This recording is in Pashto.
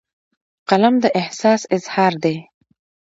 قلم د احساس اظهار دی